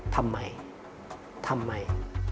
ทำไม